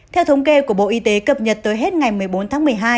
theo thống kê của bộ y tế cập nhật tới hết ngày một mươi bốn tháng một mươi hai